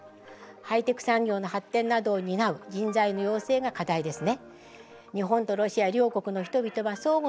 ハイテク産業の発展などを担う人材の養成が課題ですね。